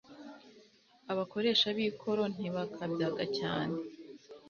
Abakoresha b'ikoro ntibakabyaga cyane,